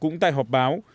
cũng tại họp báo